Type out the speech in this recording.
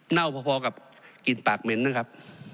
เน่าพอกับกลิ่นปากเหม็นนะครับ